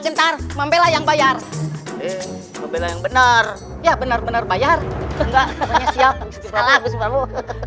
gentar membela yang bayar membela yang benar ya benar benar bayar enggak siap salah gusit prabu